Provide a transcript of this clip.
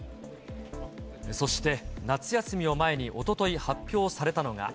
そして、夏休みを前におととい発表されたのが。